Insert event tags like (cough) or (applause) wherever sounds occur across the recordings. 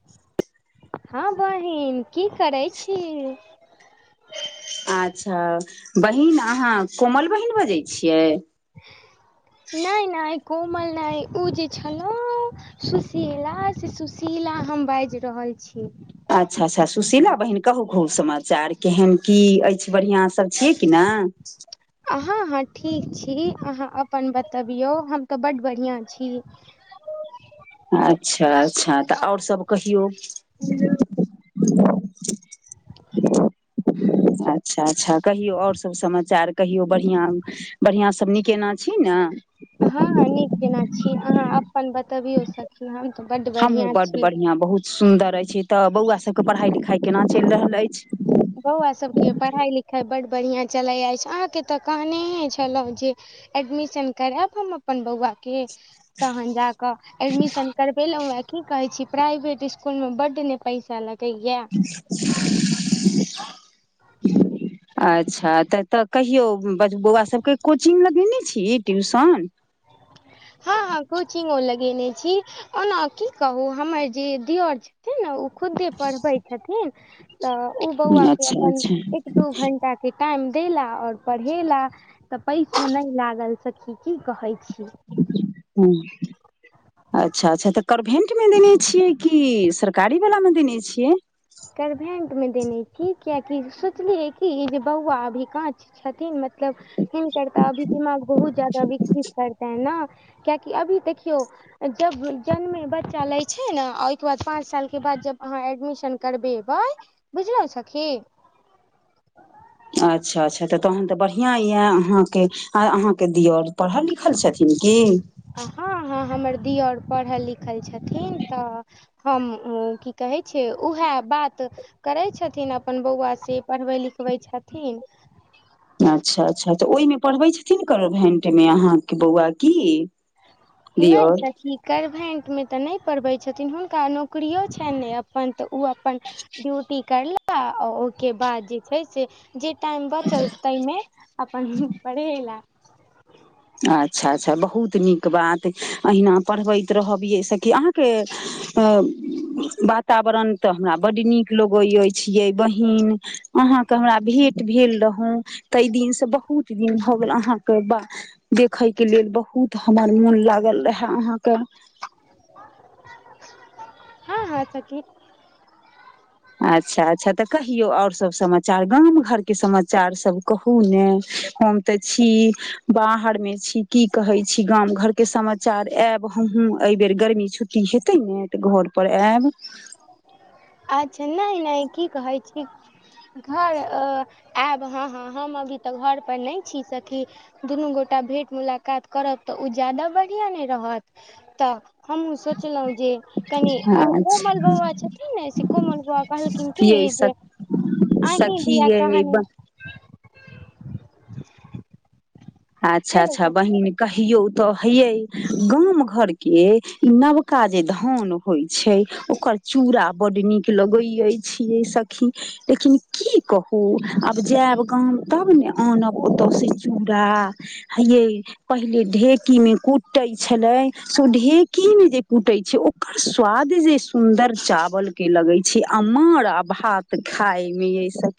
(inaudible) हँ बहिन की करैत छी अच्छा बहिन अहाँ कोमल बहिन बजै छियै नहि नहि कोमल नहि ओ जे छलौ सुशीलाास से सुशीला हम बाजि रहल छी अच्छा अच्छा सुशीला बहिन कहू खूल समाचार केहन की अछि बढ़िआं सब छियै कि ने अहाँ हँ ठीक छी अहाँ अपन बतबियौ हम तऽ बड बढ़िआँ छी अच्छा अच्छा तऽ आओर सब कहियौ ह अच्छा अच्छा कहियौ आओर सब समाचार कहियो बढ़िआ बढ़िआं सब निकेना छी ने हँ नीक जेना छी अहाँ अपन बतबियो सखी हम तऽ बड्ड हमहूँ बढ़िआँ बड्ड छी। बढ़िआँ बहुत सुन्दर अछि तऽ बौआ सबके पढ़ाई लिखाई केना चलि रहल अछि बौआ सभके पढ़ाइ लिखाइ बड्ड बढ़िआँ चलैत अछि अहाँके तऽ कहनेहे छलहुँ जे एडमिशन करायब हम अपन बौआ के तहन जाकऽ एडमिशन करबेलहु व की कहै छी प्राइवेट इसकुलमे बड्ड नहि पैसा लगैए (unintelligible) अच्छा तऽ तऽ कहियौ बौआ सभके कोचिंग लगेने छी ट्यूशन हँ। अ कोचिंगो लगेने छी ओना की कहू हमर जे दियर छथिन ने ओ खुदे पढ़बै छथिन तऽ ओ बौआ के अच्छा अपन अच्छा एक- दू घंटा के टाइम देला ओर पढ़ेला तऽ पइसो नहि लागल सखी की कहै छी। हू। अच्छा-अच्छा तऽ कौरभैन्ट मे देने छियै कि सरकारी बलामे देने छियै। करभैंट में देने छी कियकि सोचलियै की जे बौआ अभी काऽ च छथिन मतलब हिनकर तऽ अभी दिमाग बहुत जादा विकसित करतै नऽ। कियेकी अभी देखियौ। जब जन्मे बच्चा लै छै नऽ ओहिके बाद पाँच सालके बाद जब अहाँ एडमिशन। करबैबई बुझलौ सखी। अच्छा-अच्छा तऽ तहन तऽ बढ़िआँ यैऽ अहाँके। आर अहाँके दियौर पढ़ल लिखल छथिन की। हँ हँ हमर दी दियौर पढ़ल लिखल छथिन तऽ। हम की कहै छै। उहै बात करै छथिन अपन बौउआ से पढ़बै लिखबै छथिन। अच्छा-अच्छा अचा ओहिमे पढ़बै छथिन करभेंट मे अहाँके बौउआ की। नहि दिअर सखी करभैंट मे तऽ नहि पढ़बै छथिन हुनका नौकरियो छैन नै अपन अपन तऽ ऊऽ अपन ड्यूटी करलाह आ ओहिके बाद जे छै से। जे टाइम बचल तमे अपन पढ़ेला। अच्छा-अच्छा बहुत नीक बात अहिना पढ़बैत रहबियै सबके अहाँके। अ बाताबरण तऽ हमरा बड्ड नीक लगै अएछ यै बहीन। अहाँके हमरा भेट भेल रहौ। तैय दिनसँ बहुत दिन भऽ गेल अहाँके ब देखए के लेल बहुत हमर मोन लागल रहे अहाँके। हँ हँ सखी। अच्छा-अच्छा तऽ कहियौ ओर सब समाचार गाम घरके समाचार सब कहू ने हम तऽ छी बाहर में छी की कहे छी गाम घर के समाचार एब। हमँहु एहि बेेर गर्मी छुट्टी हेतै ने तऽ घर पर एब। अच्छा नहि-नहि की कहै छी। घर अ एब हँ हँ हम अभी तऽ घरपर नहि छी सखी। दुनू गोटा भेट मुलाकात करब तऽ ओ जादा बढ़िआँ ने रहत। तऽ हमहु सोचलौ जे कनि ओ अच्छा कोमल बऊआ। छथिन ने से कोमल बऊआ कहलखिन कि यै जे अही सखी दिया यै कहनू। हेलो अच्छा-अच्छा सखी बहिन। कहियो तऽ हेये गाम घर के ई नवका जे धान। होइ छै ओकर चूड़ा बड नीक लगे अएछ यै सखी। लेकिन की कहू आब जेब गाम तब ने आनब ओत सऽ चूड़ा। हैयै पहिले ढेकी मे कुटे छलै से ढेकी मे जे कूटैए छै ओ। आर स्वाद जे सुन्दर चावल के लगैए छै आ मार आ भात खाय मे यै स-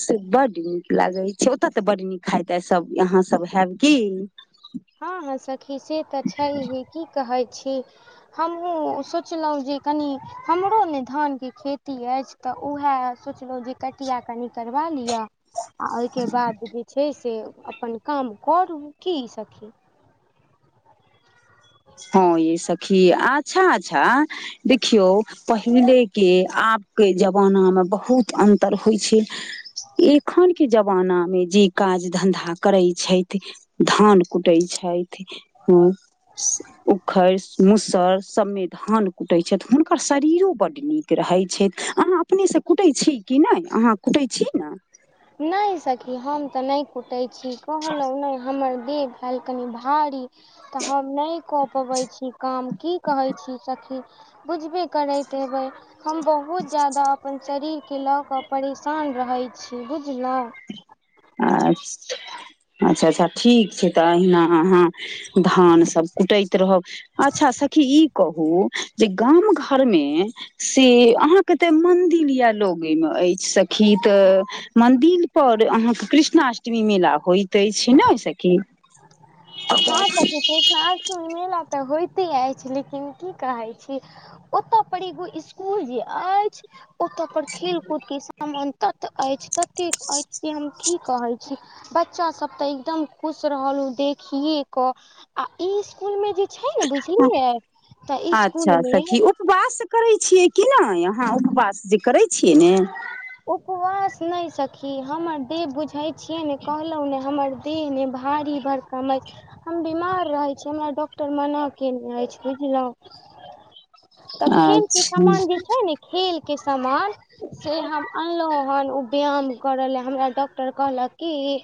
से बड नीक लागे छै ओत तऽ बड नीक खाय-ताय सब। यहाँ सब हेब की। हँ हँ सखी से तऽ छइहे की कहै छी। हमहुँ सोचलौ जे कनि हमरो ने धानके खेती अइछ। तऽ उहे सोचलौ जे कटिया कनि करवा लिय। आ ओइके बाद जे छै से अपन काम करू की सखी। हँ यै सखी आच्छा आच्छा। देखियौ पहिले के आब के जमाना मे बहुत अन्तर होइ छै। एखन के जबाना मे जे काज धंधा करै छैथ धान कुटै छैथ। और सब? उखड़ि मुसड़ सबमे धान कुटै छथि हुनकर शरीरो बड्ड नीक रहै छै अहाँ अपने से कुटै छी कि नै अहाँ कुटै छी न? नै सखी हम तऽ नै कुटै छी कहलहुँ नै हमर देह भेल कनी भारी त हम नै कऽ पबै छी काम की कहै छी सखी। बुझबे करैत हेबै हम बहुत जादा अपन शरीर के लऽ कऽ परेशान रहय छी बुझलउ। अच्छा अच्छा -अच्छा ठीक छै तऽ अहिना अहाँ धान सब कुटैत रहब अच्छा सखी कहू जे गाम घर मे से अहाँ के तऽ मन्दिर ये लगे मे अइछ सखी तऽ मन्दिल पर अहाँक कृष्णाष्टमी मेला होइत अइछ नै सखी? हँ सखी कृष्णाष्टमी मेला तऽ होइते अइछ लेकिन की कहय छी ओतऽ पर एगो स्कुल जे अइछ ओतऽ पर खेल कूद के सामान तत अइछ ततेक अइछ जे हम की कहय छी, बच्चा सब तऽ एकदम खुश रहल उ देखिये कऽ आ इ स्कुल मे जे छै ने बुझलियै तऽ स्कुल अच्छा मे सखी उपवास करै छियै कि नय अहाँ उपवास जे करै छियै ने? उपवास नै सखी हमर देह बुझय छियै ने कहलहुँ ने हमर देह ने भारी भड़ कम अइ। हम बीमार रहै छी हमरा डॉक्टर मना केने अइछ बुझलौं। तऽ खेल के अच्छा समान जे छै ने खेल के समान से हम अनलहुँ हन उ व्याम करऽ लेए हमरा डॉक्टर कहलक कि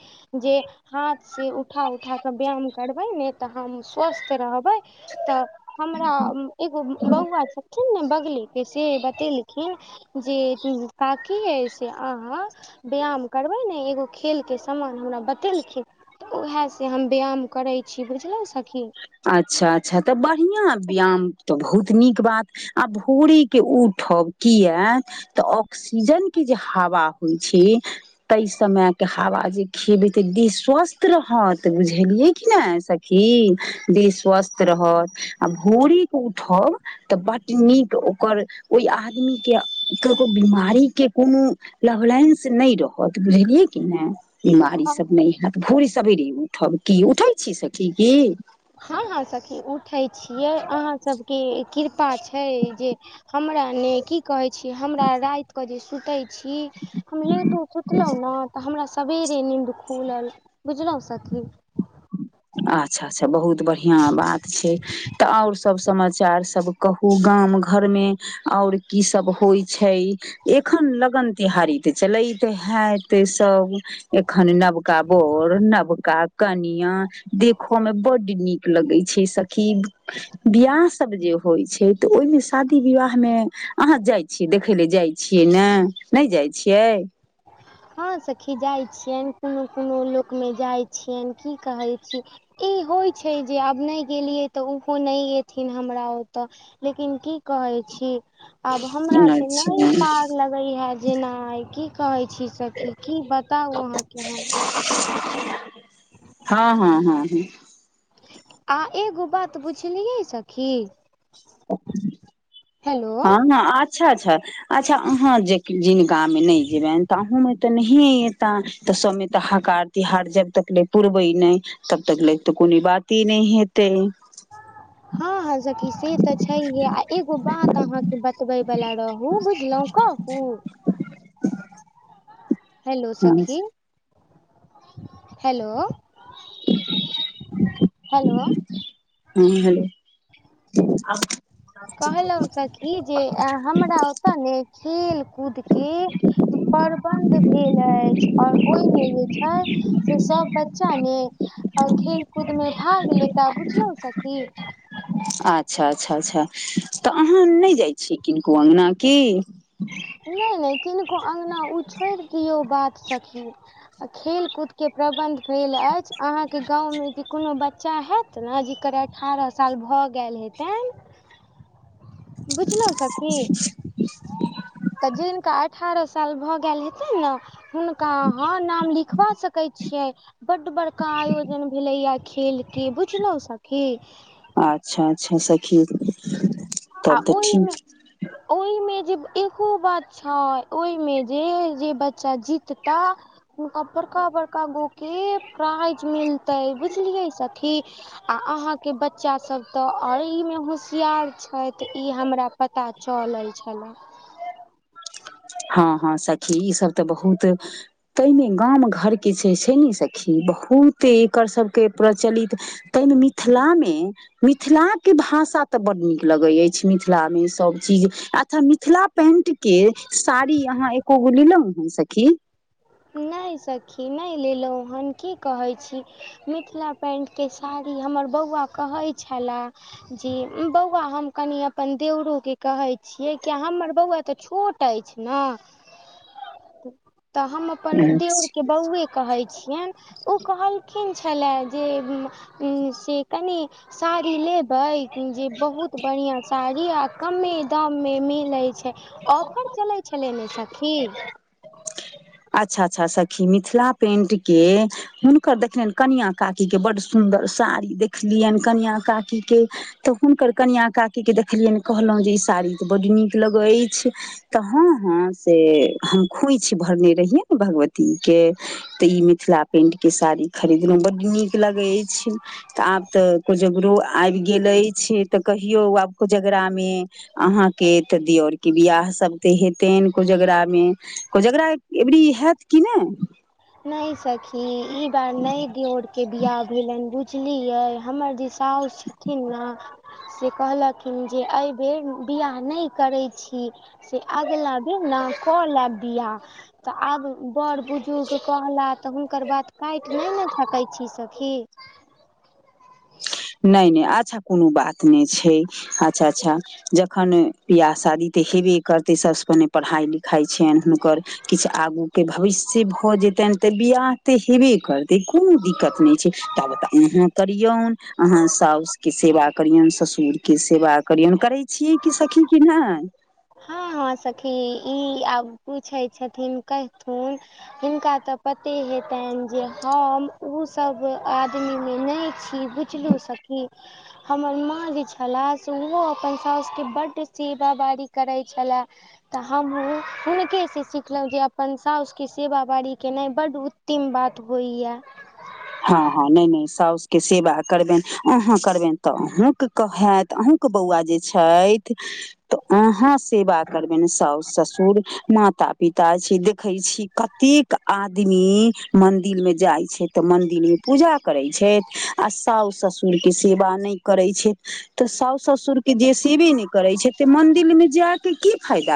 जे हाथ से उठा - उठा क व्याम करबै ने तऽ हम स्वस्थ रहबै। तऽ हमरा एगो बौवा छथिन ने बगले के से बतेलखिन। जे काकी यै से अहाँ व्याम करबै ने एगो खेल के समान हमरा बतेलखिन त ओहेए से हम व्याम करै छी बुझलौ सखी। अच्छा अच्छा त बढ़ियां व्याम त बहुत नीक बात आ भोरे के उठब कियेए तऽ ऑक्सीजन के जे हावा होइ छै तै समय के हावा जे खेबै त देह स्वस्थ रहत बुझेलियै कि ने सखी देह स्वस्त रहत आ भोरेे क उठब तऽ बड्ड नीक ओकर ओइ आदमी के ककरो बिमारी के कोनो लभलाइन्स नै रहत बुझलियै कि ने। बिमारी सब नै हेएत भोरे सबेरे उठब की उठै छी सखी की? हँ हँ सखी उठै छियै अहाँ सबके किरपा छै जे हमरा ने की कहै छी हमरा राति क जे सुतै छी, हम लेटो सुतलौं नऽ त हमरा सेबेरे नींद खुलल बुझलौं सखी। आच्छा आच्छा बहुत बढ़ियां बात छै त और सब समाचार सब कहू गाम घर मे और की सब होइ छै एखन लगन तिहारी ते चलैत हैत सब एखन नबका बर नबका। कनिया देखऽ में बड नीक लगैय छैय सखीब। बियाह सब जे होइ छैय तऽ ओहिमे शादी विवाह मे अहां जाय। छिय देखैय लै जाइ छियै न नइ जाइ छियै। हं सखी जाइ छियनि कोनो कोनो लोक मे जाइ छियनि की कहैय छी। ई होइ छैय जे आब नइ गेलियै तऽ ओहो नहि एथिन हमरा ओतऽ। लेकिन की कहैय छी आब हमरा स नैई अच्छा पार लगैया जेनाय की कहैय छी। सखी की बताउ अहां के हम। हां हं हं हं। आ एगो बात बुझलिय सखी। हेलो हं हं अच्छा अच्छा। अच्छा अहां जे जिनका मे नैइ जे बनि तऽ अहूं मे तऽ नहिए ऐता तऽ सब मे तऽ हकार। तिहार जब तक ले पूर्वय नैइ तब तक ले तऽ कोनो बाते नैइ हेतैय। हं हं सखी से तऽ छैयहे आ एगो बात अहां। बतबै बाला रहू बुझलौउ कहु। हेलो हँ सखी हेलो। हेलो। हँ हेलो (inaudible) आ कहलौउ सखी जे अ हमरा ओतऽ ने खेलकूद। के प्रबन्ध भेल अइछ और ओइ मे जे छैय। से सब बच्चा ने खेल कूद मे भाग लेता बुझलउ ने सखी। अच्छा अच्छा अच्छा तऽ अहां नैइ जाय छियै किनको अङ्गना की। नैइ नैइ किनको अङ्गना ओ छोड़ि दियौ बात सखी। खेल कूद के प्रबन्ध भेल अइछ अहां के गाँव मे जे कोनो बच्चा हैत। हं जकर अठारह साल भऽ गैल हेतैन। बुझलौउ सखी। ह (inaudible) तऽ जिनका। अठारह साल भऽ गैल हेतैन न। हुनका हां नाम लिखबा सकैय छियै बड बड़का आयोजन भेलैया खेल। के बुझलौउ सखी। अच्छा अच्छा सखी आ तब तऽ ठीक ओहिमे ओइमे जे एगो बात छैय ओइमे जे जे बच्चा जितता। हुनका बड़का बड़का गो के प्राइज मिल। तैऽ बुझलियै सखी आ अहाँ के बच्चा सब तऽ अइमे होशियार। अइ तऽ ई हमरा पता चलल छेला। हं हं सखी ई सब तऽ बहुत। तैय मे गाम घर के जे छैय ने सखी बहुत एकर सबके प्रचलित। तैय मिथिला मे। मिथिला के भाषा तऽ बड्ड नीक लगैय अइछ मिथिला मे सब चीज अच्छा मिथिला। पेंट के साड़ी अहाँ एको गो लेलहु है सखी। नैई सखी नैइ लेलहुँ हन की कहैय छी। मिथिला पेंटके साड़ी हमर बौआ कहै छेला। जी बौआ हम कनि अपन देउरोके कहै छियै किया हमर बौआ तऽ छोट अइछ न तऽ हम अपन दीऔर के बौउवे कहै छियनि ओ कहलखिन छेला जे म्म से कनी साड़ी लेबै जे बहुत बढ़िआँ साड़ी आ कमे दाममे मिलै छै। ऑफर चलै छैलय ने सखी। अच्छा अच्छा सखी मिथिला पेंट के हुनकर देखलियनि कनिया काकी के बड सुंदर साड़ी देखलियनि कनिया काकी के तऽ हुनकर कनिआँ काकीके देखलियनि कहलहु जे ई साड़ी तऽ बड्ड नीक लगै अइछ। तऽ हँ हँ से हम खोइछ भरने रहियै ने भगवती के तऽ ई मिथिला पेंट के साड़ी खरीदलहुँ बड्ड नीक लगै अइछ। तऽ आब तऽ कोजगरो आबि गेल अइछ तऽ कहियो आब कोजगरा मे अहाँ के तऽ दियौर के बियाह सब त हेतैन। कोजगरा मे कोजगरा अइबेरी हैत कि नै। नैय सखी ई बार नै दियोर के बियाह भेलनि बुझ लियै हमर जे साउस छथिन ना से कहलखिन जे अइ बेेर बियाह नै करै छी। से अगिला भेल ना कर लाब बिआह तऽ आब बड बुजुर्ग कहला तऽ हुनकर बात काटि नहि ने सकैय छी सखी। नइ नइ अच्छा कोनो बात नहि छै अच्छा अच्छा जखन बियाह शादी तऽ हेबे करतै सभसँ पहिने पढ़ाइ लिखाइ छियनि हुनकर। किछु आगूके भविष्य भऽ जेतनि तऽ बियाह तऽ हेबे करतै कोनो दिक्कत नहि छै तब त अहाँ करियौन। अहाँ साउस के सेवा करियन ससुरके सेवा करियौन करै छियै कि सखी कि नहि। हँ हँ सखी ई आब पूछै छथिन कहथुन हिनका तऽ पते हेतनि जे हम उसभ आदमीमे नहि छी बुझलू सखी। हमर माँ जे छलाह से ओहो अपन साउस के बड्ड सेवा बारी करैय छला। तऽ हमहु हुनके से सिखलहुॅं जे अपन साउसके सेवा बारी केनाइ बड्ड उ टीम बात होइया। हँ हँ नहि नहि साउसके सेवा करबनि अहाँ करबनि तऽ अहूँके क हैत अहूँ बौआ जे छैथ त अहाँ सेवा करबेनि साउस ससुर माता पिता छै देखे छी कतेक आदमी मंदिर में जाइ छै। तऽ मंदिर मे पूजा करे छै आ साउस ससुर के सेवा नहि करे छै। तऽ साास ससुर के जे सेबे नहि करै छै ते मंदिर मे जा क की फायदा।